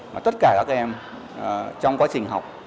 mà tất cả các em trong quá trình học